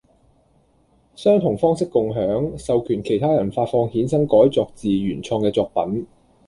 相同方式共享，授權其他人發放衍生改作自原創嘅作品